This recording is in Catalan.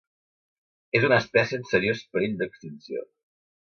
És una espècie en seriós perill d'extinció.